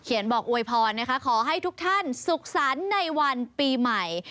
เขียนบอกอวยพรขอให้ทุกท่านสุขสรรในวันปีใหม่